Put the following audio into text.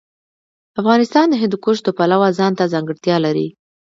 افغانستان د هندوکش د پلوه ځانته ځانګړتیا لري.